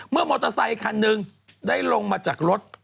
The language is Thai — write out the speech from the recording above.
มอเตอร์ไซคันหนึ่งได้ลงมาจากรถ